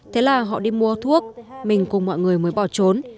thế là họ đi mua thuốc mình cùng mọi người mới bỏ trốn